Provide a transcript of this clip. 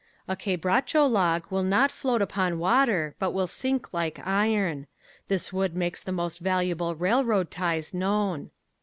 A quebracho log will not float upon water, but will sink like iron. This wood makes the most valuable railroad ties known.